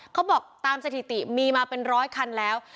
เขาบอกตามสถิติมีมาเป็นร้อยคันแล้ว